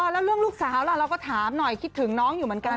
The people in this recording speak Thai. แล้วเรื่องลูกสาวล่ะเราก็ถามหน่อยคิดถึงน้องอยู่เหมือนกัน